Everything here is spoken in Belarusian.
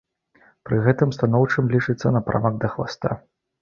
Пры гэтым станоўчым лічыцца напрамак да хваста.